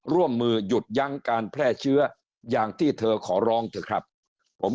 ร่วมมือหยุดยั้งการแพร่เชื้ออย่างที่เธอขอร้องเถอะครับผม